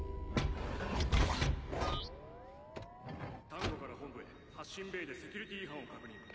タンゴから本部へ発進ベイでセキュリティー違反を確認。